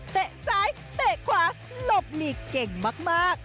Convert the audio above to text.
ซ้ายเตะขวาหลบหนีเก่งมาก